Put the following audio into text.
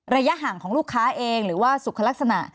ระยะห่างของลูกค้าเองหรือว่าสุขลักษณะ